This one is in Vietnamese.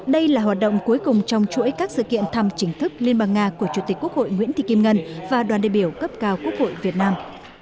đây là hoạt động cuối cùng trong chuỗi các sự kiện thăm chính thức liên bang nga của chủ tịch quốc hội nguyễn thị kim ngân và đoàn đề biểu cấp cao quốc hội việt nam